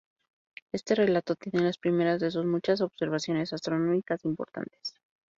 Este relato tiene las primeras de sus muchas observaciones astronómicas importantes.